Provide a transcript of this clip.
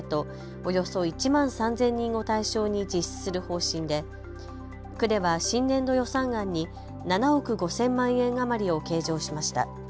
およそ１万３０００人を対象に実施する方針で区では新年度予算案に７億５０００万円余りを計上しました。